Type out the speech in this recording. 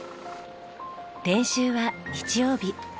練習は日曜日。